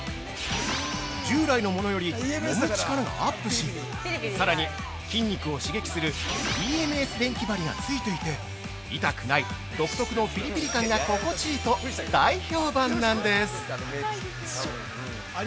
従来のものより揉む力がアップしさらに、筋肉を刺激する「ＥＭＳ電気針」が付いていて痛くない、独特のピリピリ感が心地良いと大評判なんです。